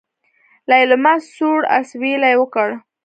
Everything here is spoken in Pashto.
ليلما سوړ اسوېلی وکړ.